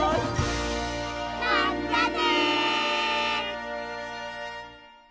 まったね！